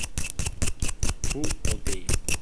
Bu o değil.